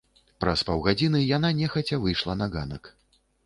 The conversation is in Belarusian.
Праз паўгадзіны яна нехаця выйшла на ганак.